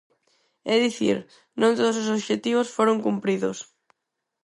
É dicir, non todos os obxectivos foron cumpridos.